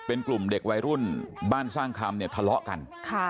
เป็นกลุ่มเด็กวัยรุ่นบ้านสร้างคำเนี่ยทะเลาะกัน